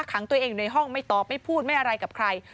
ขังตัวเองอยู่ในห้องไม่ตอบไม่พูดไม่อะไรกับใคร